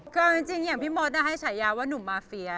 ก็จริงอย่างพี่มดได้ให้ฉายาว่าหนุ่มมาเฟีย